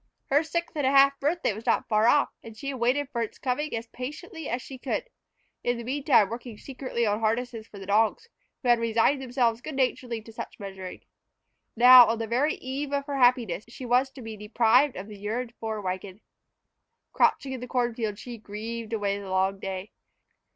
Her sixth and a half birthday was not far off, and she had waited for its coming as patiently as she could, in the meantime working secretly on harnesses for the dogs, who had resigned themselves good naturedly to much measuring. Now, on the very eve of her happiness, she was to be deprived of the yearned for wagon. Crouching in the corn field, she grieved away the long day.